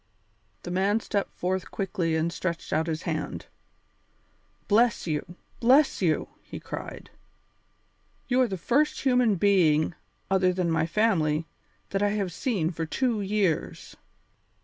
The man stepped forth quickly and stretched out his hand. "Bless you! Bless you!" he cried. "You are the first human being, other than my family, that I have seen for two years."